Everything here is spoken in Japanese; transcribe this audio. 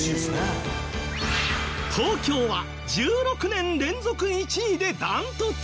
東京は１６年連続１位でダントツ。